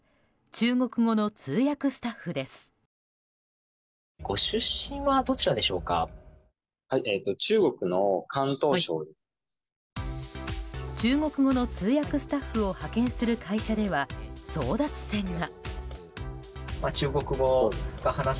中国語の通訳スタッフを派遣する会社では争奪戦が。